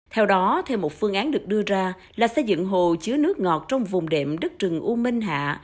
theo đó theo một phương án được đưa ra là xây dựng hồ chứa nước ngọt trong vùng đệm đất rừng u minh hạ